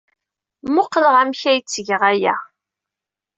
Mmuqqel amek ay ttgeɣ aya!